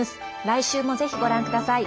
来週もぜひご覧ください。